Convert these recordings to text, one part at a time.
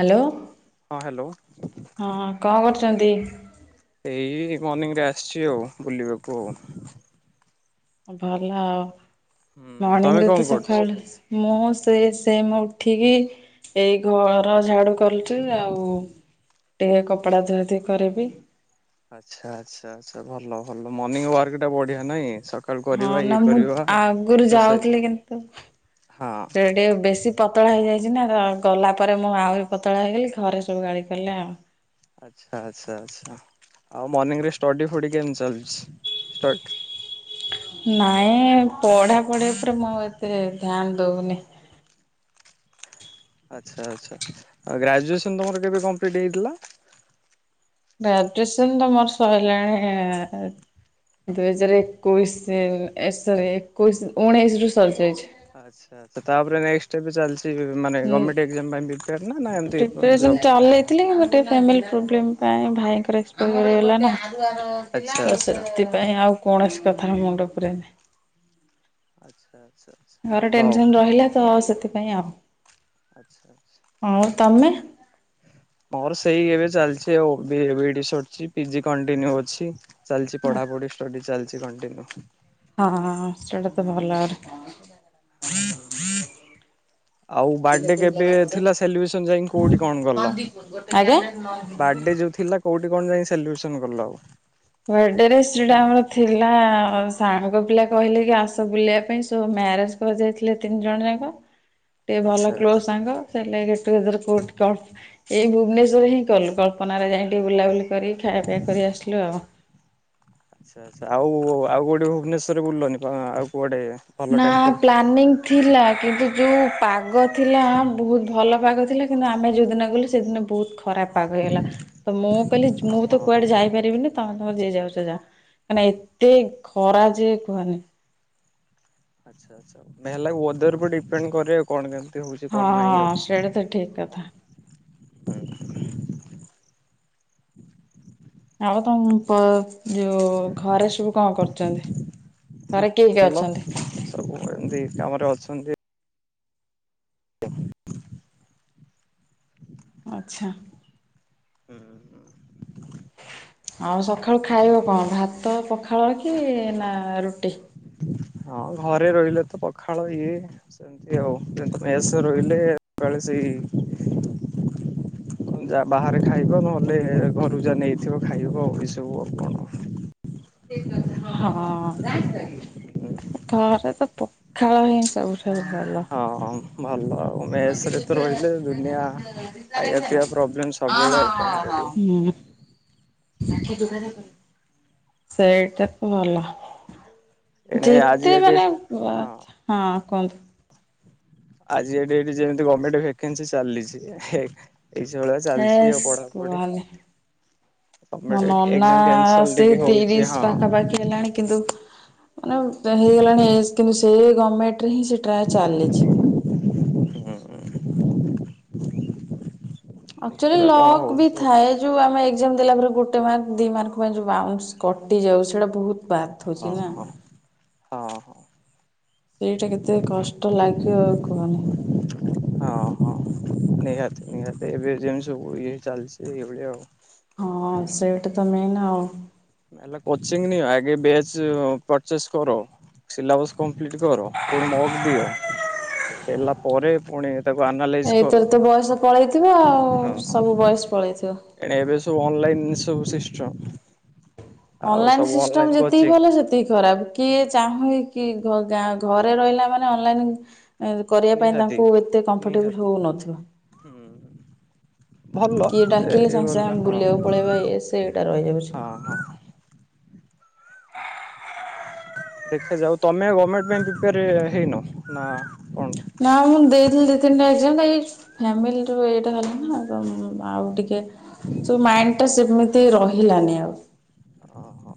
Hello ହଁ hello ହ କଣ କରୁଛ? ଚନ୍ତି। ଏଇ ମର୍ଣ୍ଣିଂରେ ଆସିଛି ଆଉ ବୁଲିବାକୁ ଆଉ। ଭଲ ଆଉ ହୁଁ ମର୍ଣିଂ ତମେ ରେ ତ କଣ କରୁଛ? ସଖାଳୁ ମୁଁ ରେ ସେ ମୁଁ ଉଠିକି ଏଇ ଘର ଝାଡୁ କରଛିୁ ଆଉ ଟିକେ କପଡା ଧୁଆ ଧୁଇ କରିବି। ଆଚ୍ଛା ଆଚ୍ଛା ଆଚ୍ଛା ଭଲ ଭଲ ମର୍ଣିିଂ ୱାକ ଟା ବଢିଆ ନାଇଁ ସ ହଁ ନା ମୁଁ ଆଗରୁ ଯାଉଥିଲି କିନ୍ତୁ ହଁ ସେ ଟିକେ ବେଶୀ ପତଳା ହେଇଯାଇଛି ନା ଗଲା ପରେ ମୁଁ ଆହୁରି ପତଳା ହେଇଗଲି ଘରେ ସବୁ ଗାଳି କଲେ ଆଉ ଆଚ୍ଛା ଆଚ୍ଛା ଆଛା। ଆଉ ମର୍ଣିଂରେ ଷ୍ଟଡି ଫଡି କେମିତି ଚାଲିଛି ଷ୍ଟଡ ନାଇଁ ପଢା ପଢି ଉପରେ ମୁଁ ଆଉ ଏତେ ଧ୍ୟାନ ଦଉନି। ଆଚ୍ଛା ଆଚ୍ଛା ଆଉ ଗ୍ରାଜୁଏସନ ତମର କେବେ କମ୍ପ୍ଲିଟ ହେଇଥିଲା? ଶଇଲାଣି ଦୁଇ ହଜାରେ ଏକୋଇଶରି ଏ ସାରି ଏକୋଇଶ ଉଣେଇଶି ରୁ ସରି ଯାଇଛି। ଆଛା ଆଛା ତାପରେ ନେଷ୍ଟ ବି ଚାଲିଛି। ମାନେ ହୁଁ ଗମେଣ୍ଟ ଏଜାମ ପାଇଁ ପ୍ରୀପ୍ୟାର ନା ଏମିତି ଜବ? ଫିଲିମ୍ ପାଇଁ ଭାଇଙ୍କର ଅକ୍ସପାରି ହେଇଗଲା ନା ଆଚ୍ଛା ତ ଆଚ୍ଛା ସେଥିପାଇଁ ଆଉ କୌଣସି କଥାରେ ମୁଣ୍ଡପୁରାନି। ଆଚ୍ଛା ଆଚ୍ଛା ଘରେ ଭଲ ଆଉ ଟେନସନ ରହିଲା ତ ସେଥିପାଇଁ ଆଉ ଆଚ୍ଛା। ଆଉ ତମେ? ମୋର ସେଇ ଏବେ ଚାଲିଛି ଆଉ ବି ଏ ବି ଡି ସରିଛି ପିଜି କଣ୍ଟିନ୍ୟୁ ଅଛି। ଚାଲିଛି ପଢ଼ାପଢି ଷ୍ଟଡି ଚାଲିଛି କଣ୍ଟିନ୍ୟୁ। ହଁ ସେଇଟା ତ ଭଲରେ। ହଁ। ଆଉ ବାର୍ଡେ କେବେ ଥିଲା ସେଲିବ୍ରେସନ ଯାଇଁ କୋଉଠି କଣ କଲ ଆଜ୍ଞା। ବାର୍ଡ଼େ ଯୋଉ ଥିଲା କୋଉଠି କଣ ଯାଇଁ ସେଲିବେସନ୍ କଲ ଆଉ। ବାର୍ଡେରେ ଶ୍ରିଡ଼ା ଆମର ଥିଲା ସାଙ୍ଗ ପିଲା କହିଲେ କି ଆସ ବୁଲିବା ପାଇଁ ସୋ ମ୍ୟା ମ୍ୟାରେଜ କରିଯାଇଥିଲେ ତିନି ଜଣ ଯାକ ଟିକେ ଆଚ୍ଛା ଭଲ କ୍ଲୋଜ ଆଚ୍ଛା ସାଙ୍ଗ ସେଇଥିଲାଗି କ୍ଲୋଜ୍ ରେ କୋଟ କଲ୍ଫ ଏଇ ଭୁବନେଶ୍ୱର ହିଁ କଲୁ କଳ୍ପନାରେ ଯାଇ ଟିକେ ବୁଲାବୁଲି କରିକି ଖାଇବା ପିଇବା କରି ଆସିଲୁ ଆଉ। ଆଚ୍ଛା ଆଚ୍ଛା ଆଉ ଆଉ କୋଠି ଭୁବନେଶ୍ଵରରେ ବୁଲିଲନି କଣ ଆଉ କୁଆଡେ? ଭଲ ନା ଟେମ୍ପଲ ପ୍ଲାନିଂ ଥିଲା। କିନ୍ତୁ ଯୋଉ ପାଗ ଥିଲା ବହୁତ ଭଲ ପାଗ ଥିଲା କିନ୍ତୁ ଆମେ ଯୋଉଦିନ ଗଲୁ ସେଦିନ ବହୁତ ଖ ଖରାପ ପାଗ ହେଇଗଲା ତ ମୁଁ କହିଲି ହଁ ମୁଁ ତ ହଁ ହଁ। କୁଆଡେ ଯାଇପାରିବିନି ତମେ ତମେ ଯିଏ ଯାଉଛ ଯା ମାନେ ଏତେ ଖରା ଯେ କୁହନି? ଆଚ୍ଛା ଆଚ୍ଛା, ମେ ହେଲା ୱେଦର ଡିପେଣ୍ଡ କରେ ଆ କଣ କେମିତି? ହଉଛି ହଁ କଣ ନାହିଁ ଆଉ। ସେଇଟା ତ ଠିକ କଥା ହ ଆଉ ତମ ପ ଯୋଉ ଘରେ ସବୁ କଣ କରୁଛନ୍ତି ଘରେ କିଏ କିଏ ଭଲ ଅଛନ୍ତି? ସବୁ ଏମିତି କାମରେ ଅଛନ୍ତି। ଆଚ୍ଛା [inaudible] ଆଉ ସକାଳୁ ଖାଇବ କଣ ଭାତ ପଖାଳ କି ନା ରୁଟି ହଁ ଘରେ ରହିଲେ ତ ପଖାଳ ଇଏ ସେମିତି ଆଉମ ମେସ ରହିଲେ ସେଇ ଯା ବାହାରେ ଖାଇବ ନହେଲେ ଘରୁ ଯାହା ନେଇଥିବ ଖାଇବ ଆଉ ଏ ସବୁ ଆଉ କଣ ଠିକ କଥା ହଁ ହଁ ହଁ ଘରେ ତ ପଖାଳ ହିଁ ସବୁଠୁ ଭଲ ହଁ ଭଲ ଆଉ ମେସରେ ତ ରହିଲେ ଦୁନିଆ ଖାଇବା ପିଇବା ପ୍ରୋବ୍ଲେମ୍ ସବୁବେଳେ ଆଉ କଣ କରିବି? ହୁଁ [inaudible] ସେଇଟା ତ ଭଲ। ଏଣେ ଆଜି ଯେତେ ଏଠି ମାନେ ବା ହଁ ହଁ କୁହନ୍ତୁ? ଆଜି କା ଡେଟ୍ ରେ ଯେମିତି ଗମେଣ୍ଟ ଭକେନ୍ସି ଚାଲିଛି ହେ ହେସ୍ କୁହନି ମୋ ଗଭର୍ଣ୍ଣମେଣ୍ଟ ନନା ଏକ୍ଜାମ କ୍ୟାନସଲ ସେ ଟିକେ ହଉଛି ତିରିସି ପାଖାପାଖି ହେଲାଣି କିନ୍ତୁ ମାନେ ହେଇଗଲାଣି ଏଜ୍ କିନ୍ତୁ ସେ ଗମେଣ୍ଟରେ ହିଁ ସେ ଟ୍ରାଏ ଚାଲିଛି। [unintelligible] ଆକଚୁଲି ଦେଖିବା କଣ ଲକ୍ ବି ହଉଛି ଆଉ ଥାଏ ଯୋଉ ଆମେ ଯେମିତି ଦେଲା ପରେ ଗୋଟେ ମାର୍କ ଦି ମାର୍କ ପାଇଁ ଯୋଉ ବାଉନ୍ସ କଟି ଯାଉ ସେଟା ବହୁତ ହଁ ବାଧୁଛି ନା ହଁ। ହଁ ହଁ ସେଇଟା କେତେ କଷ୍ଟ ଲାଗିବ ଆଉ କୁହନି ହଁ ହଁ ନିହାତି ନିହାତି ଏବେ ଯେମିତି ସବୁ ଇଏ ଚାଲଛି ଏଭଳିଆ ଆଉ ହଁ ସେଇଟା ତ ମେନ ଆଉ ଲେ ହେଲା କୋଚିଂ ନିଅ ଆଗେ ବେଚ୍ ପର୍ଚେଜ୍ କର ସିଲାବସ୍ କର ପୁଣି ମଗ ଦିଅ ହେଲା ପରେ ପୁଣି [unintelligible] କର। ଏଥରେ ତ ବୟସ ପଳେଇଥିବ ଆଉ ହଁ ହଁ ସବୁ ବୟସ ପଳେଇଥିବ ଏବେ ଏଣ ସବୁ ଅନଲାଇନ୍ ସବୁ ସିଷ୍ଟମ ଅନଲାଇନ୍ ସିଷ୍ଟମ ଯେତିକି ଭଲ, ସେତିକି ଖରାପ କିଏ ହୁଁ ଚାହୁଁନୀ କି ଗାଁ ଘରେ ରହିଲା ମାନେ ଅନଲାଇନ୍ ଏ କରିବା ପାଇଁ ନିହାତି ତାଙ୍କୁ ଏତେ କମ୍ଫର୍ଟେବୁଲ୍ ନିହାତି ହେଉନଥିବ ହୁଁ। ଭଲ କିଏ ଯେ ଡାକିଲେ ଏଇ ସାଙ୍ଗେ ସାଙ୍ଗେ ଗଲେ, ଆମେ ହଁ ବୁଲିବାକୁ ପଳେଇବା ଇଏ ସିଏ ଏଇଟା ରହିଯାଉଛି। ହଁ ହଁ ଏ [inaudible] ଦେଖାଯାଉ ତମେ ଗଭର୍ଣମେଣ୍ଟ ପାଇଁ ପ୍ରିପେଆର ହେଇନ ନା ନା ମୁଁ ଦେଇଥିଲି ଦି ତିନିଟା ଏକ୍ଜାମ୍ ଏଇ ଫ୍ୟାମିଲି ର ଏଇଟା ହେଲା ନା ଆଉ ଟିକେ ତ ମାଇଣ୍ଡ ଟା ସେମିତି ରହିଲାନି ଆ ହଁ ହଁ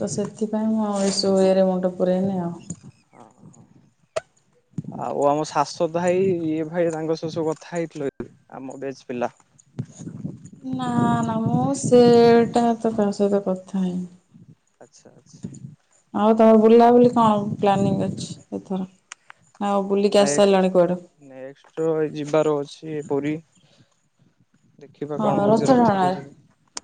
ତ ସେଥିପାଇଁ ମୁଁ ଏସବୁ ୱେ ରେ ମୁଣ୍ଡ ପୁରେଇନି ହଁ। ଆଉ ଆଉ ଆମ ଶାଶ୍ୱତ ଭାଇ, ଇଏ ଭାଇ ତାଙ୍କ ସହ ସବୁ କଥା ହେଇଥିଲ ଆମ ବେଞ୍ଚ ପିଲା ଏଟା ତା ସହିତ କଥା ହେଇନି ଆଚ୍ଛା ଆଚ୍ଛା ଆଉ ତମ ବୁଲାବୁଲି କଣ ପ୍ଲାନିଂ ଅଛି ଏଥର? ଆଉ ବୁଲିକି ଆସି ନେଷ୍ଟ୍ ସାରିଲଣି କୁଆଡେ? ନେଷ୍ଟ୍ ଯିବାର ଅଛି ପୁରୀ। ଦେଖିବା ହଁ କଣ ହଉଛି ରଥ ରାତି ରେ ଟଣାରେ ଯିବୁ।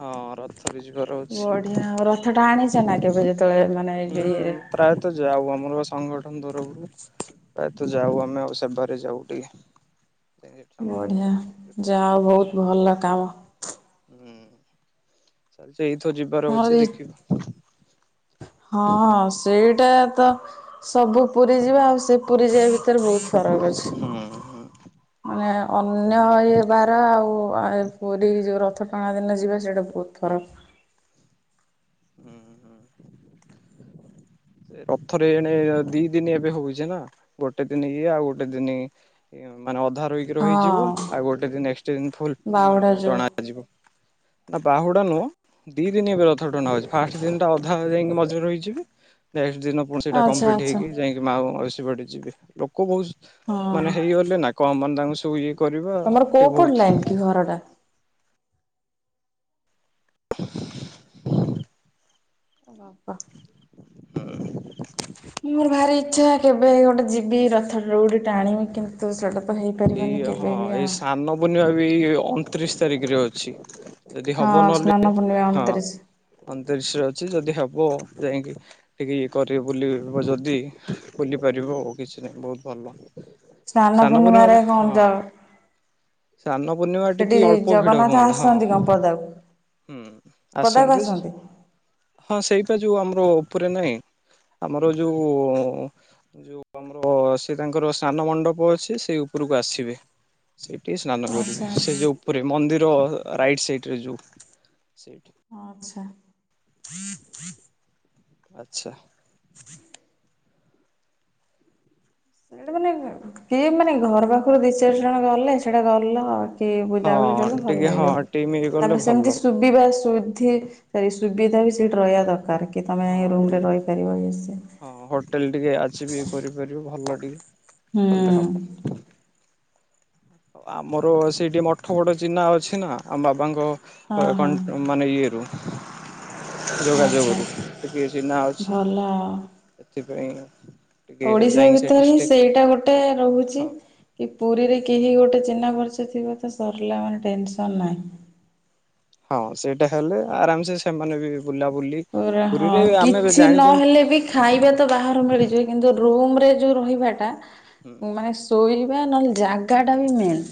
ହଁ ରଥ ରେ ଯିବାର ଅଛି। ବଢିଆ ଆଉ ରଥ ଟାଣିଛ ନା କେବେ ଯେତେବେଳେ ମାନେ ଏଇ ଯୋଉ ହୁଁ ଇଏରେ ପ୍ରାୟ ତ ଯାଆଉ ଆମର ସଂଗଠନ ତରଫରୁ ଯାଉ ଆମେ ପ୍ରାୟତଃ ଯାଉ ଆମେ ଆଉ ସେବାରେ ଯାଉ ଟିକେ। ସଂଗଠନ ବଢିଆ ତରଫରୁ ଟିକେ କରୁ। ଯାଆ ବହୁତ ଭଲ କାମ। ହୁଁ ଚାଲିଛି ଏଇଥର ଯିବାର ଅଛି ଦେଖିବା। ହଁ ହଁ ସେଇଟା ତ ସବୁ ପୁରୀ ଯିବା ଆଉ। ସେ ପୁରୀ ଯିବା ଭିତରେ ବହୁତ ଫରକ କାମ ହୁଁ ହୁଁ ହୁଁ ଅଛି। ଅନ୍ୟ ଏ ବାର ଆଉ ପୁରୀ ଯୋ ରଥ ରଥ ଟଣା ଦିନ ଯିବେ ସେଇଟା ବହୁତ ଫରକ୍। ହୁଁ ହୁଁ। ରଥରେ ଏଣେ ଦିଇ ଦିନ ଏବେ ହଉଛି ନା ଗୋଟେ ଦିନି ଇଏ ଆଉ ଗୋଟେ ଦିନି ମାନେ ଅଧା ରହିକି ରହିଯିବ ହଁ ଆଉ ଗୋଟେ ଦିନ ଏକ୍ସଟେଣ୍ଡ ଫୁଲ୍ ମାନେ ବାହୁଡା ଯୋଉ ଟଣାଯିବ। ବାହୁଡା ନୁହଁ ଦିଇ ଦିନ ଏବେ ରଥ ଟଣା ହଉଛି ଫାଷ୍ଟ ଦିନଟା ଅଧା ଯାଇକି ମଝିରେ ରହିଯିବେ ନେଷ୍ଟ ଦିନ ପୁଣି ସେଇଟା ଆଚ୍ଛା କମ୍ପଲିଟି ଆଚ୍ଛା ହେଇକି ଯାଇକି ମାଉସୀ ମା ସେଇ ବାଟେ ଯିବେ ଲୋକ କହୁଛନ୍ତି ମାନେ ହଁ। ହେଇଗଲେ ନା କମ ମାନେ ତାଙ୍କୁ ସବୁ ଇଏ କରିବା ତମର କୋଉ ଟିକେ ପଟ ଲାଇନ କି ବହୁତ୍ ଘରଟା? ଏ ଗଧ। ହୁଁ। ଇଛା କେବେ ଗୋଟେ ଯିବି ରଥ ଦଅଉଡ ଟାଣିବି କିନ୍ତୁ ସେଇଟା ତ ଏଇ ହେଇପାରିବନି କେବେ ହଁ ବି ଏଇ ଆଉ। ସ୍ନାନ ପୂର୍ଣ୍ଣିମା ବି ଅଣତିରିଶି ତାରିଖରେ ଅଛି। ଯଦି ହଁ ହବ ସ୍ନାନ ନହେଲେ ପୂର୍ଣ୍ଣିମା ହଁ ଅଣତିରିଶ। ଅଣତିରିଶରେ ଅଛି ଯଦି ହବ ବୋ ଯାଇକି ଟିକେ ଇଏ କରିବୁ ବୋଲି ଯଦି ବୁଲିପାରିବ କିଛି ନାହିଁ ବହୁତ ଭଲ। ସ୍ନାନ ପୂର୍ଣ୍ଣିମାରେ କଣ ଯାଅ? ସ୍ନାନ ପୂର୍ଣ୍ଣିମା ଟିକେ ଅଳ୍ପ ଭିଡ ଜଗନ୍ନାଥ ହୁଅନ୍ତା ଆସନ୍ତି କଣ ହଁ। ପଦାକୁ ହୁଁ ପଦାକୁ ଆସନ୍ତୁ ଆସନ୍ତି ହଁ ସେଇଟା ଯୋଉ ଆମର ଉପରେ ନାହିଁ। ଆମର ଯୋଉ ଯୋଉ ଆମର ସେ ତାଙ୍କର ସ୍ନାନ ମଣ୍ଡପ ଅଛି ସେ ଉପରକୁ ବସିବେ ସେଇ ଟିକେ ସ୍ନାନ ଆଚ୍ଛା କରିବେ ସେ ଯୋଉ ଉପରେ ମନ୍ଦିର ରାଇଟ୍ ସାଇଡ ରେ ଯୋଉ ସେଇଠି ହଁ ଆଛା। ଆଚ୍ଛା। ଟୀ ସେଇଟା ମାନେ କିଏ ମାନେ ଘର ପାଖରୁ ଦି ଚାରି ଜଣ ଗଲ ସେଇଟା ଗଲ ଟିଏ ବୁଲାବୁଲି ହଁ କଲ ଭଲ ଟିକେ ହଁ ଲାଗିବ ଟିମ୍ ଇଏ କଲେ ତାପରେ ଭଲ। ସେମିତି ସୁବିଧା ସୁ ଠି ଏଇ ସୁବିଧା ବି ସେଇଠି ରହିବା ଦରକାର କି ତମେ ହଁ ଏ ରୁମ ରେ ଟିକେ ରହିପାରିବ କି ସେ ହଁ ହୋଟେଲ ଟିକେ ଆଚିବି କରିପାରିବ ଭଲ ଟିକେ। ହୁଁ। କଲେ ହବ। ଆମର ସେଠି ମଠ ବଡ ଚିହ୍ନା ଅଛି ନା ଆମ ବାବାଙ୍କ ହଁ କ ହଁ ଆକାଉଣ୍ଟ ମାନେ ଇଏରୁ। ଆଚ୍ଛା ଯୋଗାଯୋଗରୁ ଟିକଏ ଚିହ୍ନା ଅଛି ଭଲ ଆଉ। ଏଥିପାଇଁ ଓଡିଶା ଭିତରେ ହିଁ ସେଇଟା ଗୋଟେ ରହୁଛି ହଁ କି ପୁରୀରେ କେହି ଗୋଟେ ଚିହ୍ନା ପରିଚିତ ଥିବ ତ ସରିଲା ମାନେ ଟେନସନ ନାହିଁ। ହଁ ସେଇଟା ହେଲେ ଆରାମ ସେ ସେମାନେ ବି ବୁଲାବୁଲି ପୁରା ହଁ ପୁରୀରେ ଆମେ କିଛି ଜାଣିଛନ୍ତି ନହେଲେ ବି ଖାଇବା ତ ବାହାରୁ ମିଳିଯିବ କିନ୍ତୁ ରୁମ୍ ଯୋଉ ରହିବାଟା ହୁଁ ମାନେ ଶୋଇବା ନହେଲେ ଜାଗା ଟା ବି ମେନ୍।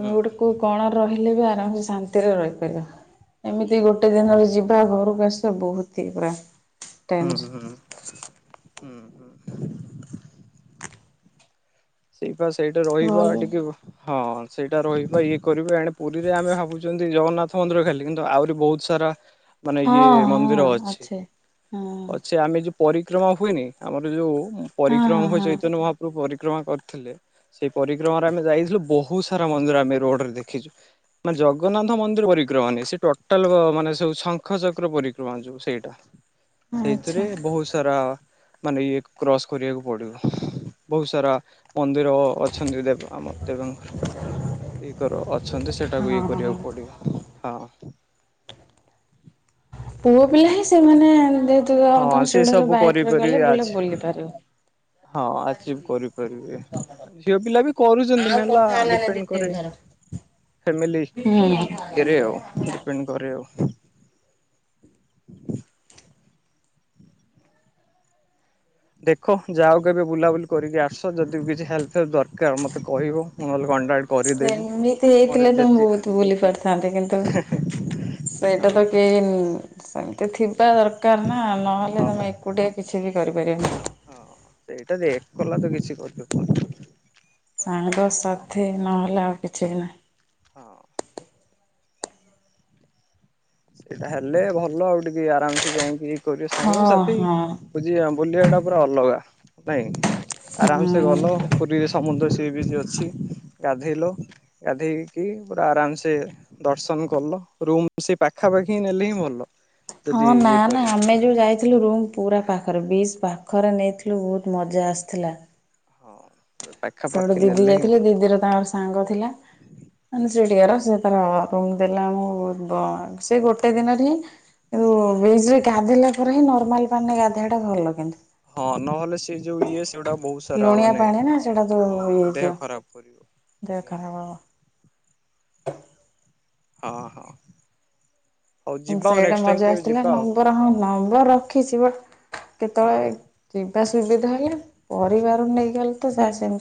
ହୁଁ ଗୁଟେ ହୁଁ କୋଉ କଣ ରହିଲେ ବି ଆରାମସେ ଶାନ୍ତିରେ ରହିପାରିବା। ଏମିତି ଗୋଟେ ଦିନରେ ଯିବା ଘରକୁ ଆସିବା ବହତି ହିଁ ପୁରା ହୁଁ ହୁଁ ଟେନସନ୍। ହୁଁ ହୁଁ ହୁଁ। ସେଇଟା ରହିବା ଭଲ ଟିକେ ହଁ ସେଇଟା ରହିବା ଇଏ କରିବା ଏଣେ ପୁରୀରେ ଆମେ ଭାବୁଚନ୍ତି ଜଗନ୍ନାଥ ମନ୍ଦିର ଖାଲି କିନ୍ତୁ ଆହୁରି ବହୁତ ସାରା ମାନେ ଇଏ ହଁ ମନ୍ଦିର ହଁ ଅଛି। ହଁ ଅଛି ହଁ ଆମେ ଯୋଉ ପରିକ୍ରମା ହୁଏନି ଆମର ଯୋଉ ପରିକ୍ରମା ହଁ ହୁଏ ହଁ ଚୈତନ୍ୟ ମହାପ୍ରଭୁ ପରିକ୍ରମା କରି ଥିଲେ ସେଇ ପରିକ୍ରମାରେ ଆମେ ଯାଇଥିଲୁ ବହୁତ ସାରା ମନ୍ଦିର ଆମେ ରୋଡରେ ଦେଖିଛୁ। ମାନେ ଜଗନ୍ନାଥ ମନ୍ଦିର ପରିକ୍ରମା ନେଇ ସେ ଟୋଟାଲ ମାନେ ସବୁ ଶଙ୍ଖ ଚକ୍ର ପରିକ୍ରମା ଯୋଉ ସେଇଟା। ସେଇଥିରେ ଆଚ୍ଛା। ବହୁତ ସାରା ମାନେ ଇଏ କ୍ରସ୍ କରିବାକୁ ପଡିବ। ବହୁତ ସାରା ମନ୍ଦିର ଅଛନ୍ତି ଦେବ ଆମ ଦେବାଙ୍କର। ଇଏ କର ଅଛନ୍ତି ସେଟାକୁ ଇଏ ହଁ କରିବାକୁ ପଡିବ ହଁ। [inaudible] ପୁଅ ପିଲା ହିଁ ସେମାନେ ଯେହେତୁ ଆଉ ହଁ ତମେ ସେ ସେଗୁଡା ସବୁ ବାଇକରେ ଗଲେ କରିପାରିବେ ବୁଲ ଆଜି ବୁଲି ପାରିବ। ହଁ ଆଚିଭ କରିପାରିବେ। ଝିଅ ପିଲା ବି କରୁଚନ୍ତି ମେନ ହେଲା ଡିପେଣ୍ଡ କରେ ଫ୍ୟାମିଲି ଇଏରେ ଆଉ ଡିପେଣ୍ଡ କରେ ଆଉ। [inaudible] ଦେଖ ଯାଉ କେବେ ବୁଲାବୁଲି କରିକି ଆସ। ଯଦି ବି କିଛି ହେଲ୍ପ ଦରକାର ମତେ କହିବ ମୁଁ ନହେଲେ କଣ୍ଟାକ୍ଟ କରିଦେବି। ସେମିତି ମୋର ହେଇଥିଲେ ବି ତ ମୁଁ ଯେତେ ବହୁତ ବୁଲି ପାରିଥାନ୍ତି କିନ୍ତୁ [inaudible] ସେଇଟା ତ କେହି ସେମିତି ଥିବା ଦରକାର ନା ନହେଲେ ହଁ ତମେ ଏକୁଟିଆ କିଛି ବି କରିବ ହଁ ସେଇଟା ଯେ ଏକ କଲା ତ କିଛି କରିପାରିବନି। ସାଙ୍ଗସାଥି ନହେଲେ ଆଉ କିଛି ବି ନାହିଁ। ହଁ। ସେଇଟା ହେଲେ ଭଲ ଆଉ ଟିକେ ଆରାମସେ ଯାଇଁକି ତୋର ଯୋଉ ହଁ ସାଙ୍ଗସାଥି ହଁ ବୁଝି ବୁଲିବାଟା ପୁରା ଅଲଗା ନାଇଁ। ଆରାମସେ ଗଲ ହୁଁ। ପୁରୀରେ ସମୁଦ୍ର ସିଏ ବିଚ୍ ଅଛି। ଗାଧେଇଲ ଗାଧେଇକି ପୁରା ଆରାମସେ ଦର୍ଶନ କଲ। ରୁମ୍ ସେ ପାଖାପାଖି ନେଲେ ହିଁ ଭଲ। ହଁ ଯଦି ନା ଇଏ ନା କରିବ ଆମେ ଯୋଉ ଯାଇଥିଲୁ ରୁମ୍ ପୁରା ପାଖରେ ବିଚ୍ ପାଖରେ ନେଇଥିଲୁ ବହୁତ ମଜା ଆସିଥିଲା। ହଁ। ସେ ଗୋଟେ ପାଖାପାଖି ଦିଦି ନେଲେ ହିଁ ଯାଇଥିଲେ ଭଲ। ଦିଦିର ତାଙ୍କର ସାଙ୍ଗ ଥିଲା। ମାନେ ସେ ଦିଅର ସେ ତାର ରୁମ ଦେଲା ଆମକୁ ସେ ଗୋଟେ ଦିନରେ ହିଁ ବିଚରେ ଗାଧେଇଲା ପରେ ହିଁ ନର୍ମାଲ ପାଣିରେ ଗାଧେଇବାଟା ଭଲ କିନ୍ତୁ। ହଁ ନହେଲେ ସେ ଯୋଉ ଇଏ ସେଗୁଡା ବହୁତ ସାରା ଲୁଣିଆ ମାନେ ପାଣି ନା ସେଗୁଡ଼ା ସବୁ ହଁ ଇଏ ଦେହ ହେଇଯିବ। ଖରାପ କରିବ। ଦେହ ଖରାପ ହବ। ହଁ ହଁ। ହଉ ଯିବା ଆଉ ସେଇଟା ନେକ୍ସଟ୍ ଟାଇମ୍ ମଜା କେବେ ଆସିଥିଲା ଯିବା ଆଉ ନମ୍ବର ହଁ ନମ୍ବର ରଖିଚି ବଟ୍ ହଁ କେତବଳେ ହଁ। ଯିବା ସୁବିଧା ହେଲେ ପରିବାର ନେଇଗଲେ ତ ସେ ସେମି